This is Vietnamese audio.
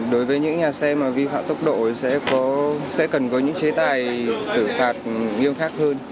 đối với những nhà xe vi phạm tốc độ sẽ cần có những chế tài xử phạt nghiêm khắc hơn